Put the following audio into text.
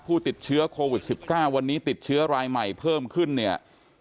ผู้ติดเชื้อโควิด๑๙วันนี้ติดเชื้อรายใหม่เพิ่มขึ้นเนี่ย